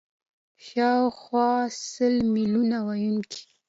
شاوخوا سل میلیونه ویونکي